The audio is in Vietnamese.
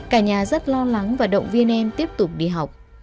cả nhà rất lo lắng và động viên em tiếp tục đi học